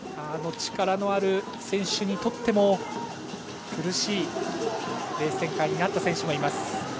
力のある選手にとっても苦しいレース展開になった選手もいます。